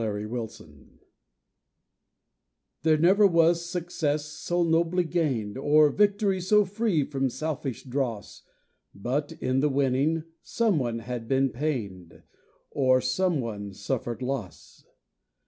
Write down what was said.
SUN SHADOWS There never was success so nobly gained, Or victory so free from selfish dross, But in the winning some one had been pained Or some one suffered loss.